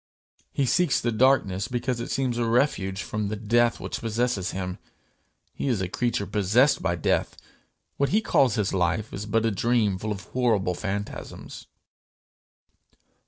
He seeks the darkness because it seems a refuge from the death which possesses him. He is a creature possessed by death; what he calls his life is but a dream full of horrible phantasms.